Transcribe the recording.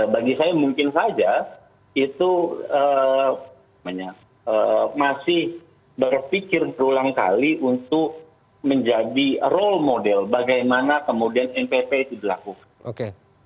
bagi saya mungkin saja itu masih berpikir berulang kali untuk menjadi role model bagaimana kemudian npp itu dilakukan